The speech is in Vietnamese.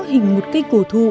hình một cây cổ thủy